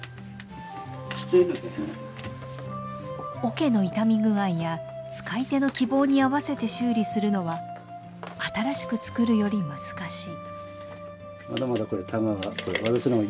桶の傷み具合や使い手の希望に合わせて修理するのは新しくつくるより難しい。